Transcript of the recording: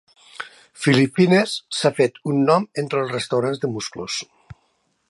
Filipines s'ha fet un nom entre els restaurants de musclos.